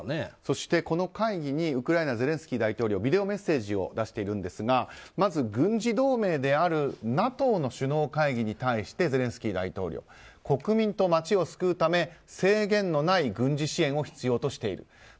そして、この会議にウクライナ、ゼレンスキー大統領ビデオメッセージを出しているんですがまず軍事同盟であるＮＡＴＯの首脳会議に対してゼレンスキー大統領。国民と街を救うため制限のない軍事支援を必要としている。